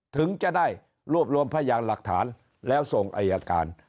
ถึงจะได้รวบรวมพยานหลักฐานแล้วส่งอายการ